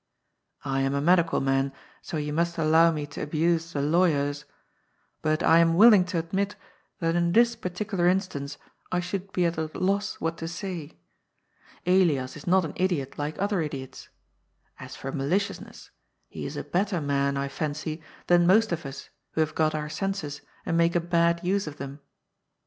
I am a medical man, so you must allow me to abuse the lawyers. But I am willing to admit that in this particular instance I should be at a loss what to say. Elias is not an idiot like other idiots. As for maliciousness, he is a better man, I fancy, than most of us who have got our senses and make a bad use of them.